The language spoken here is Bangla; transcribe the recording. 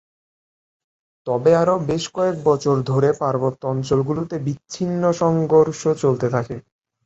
তবে আরো বেশ কয়েক বছর ধরে পার্বত্য অঞ্চলগুলোতে বিচ্ছিন্ন সংঘর্ষ চলতে থাকে।